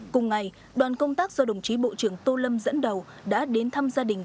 cùng ngày đoàn công tác do đồng chí bộ trưởng tô lâm dẫn đầu đã đến thăm gia đình